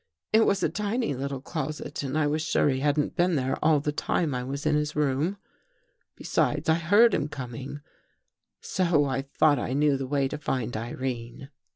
It was a tiny little closet and I was sure he hadn't been thefe all the time I was in his room. 17 249 THE GHOST GIRL Besides, I heard him coming. So I thought I knew the way to find Irene.